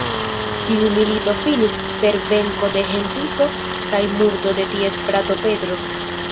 Tiu milito finis per venko de Henriko kaj murdo de ties frato Pedro.